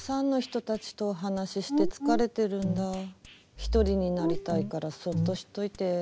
ひとりになりたいからそっとしといて。